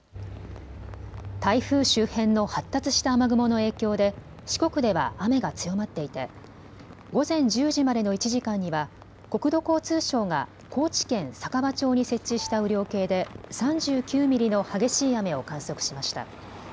台風周辺の発達した雨雲の影響で四国では雨が強まっていて午前１０時までの１時間には国土交通省が高知県佐川町に設置した雨量計で３９ミリの激しい雨を観測しました。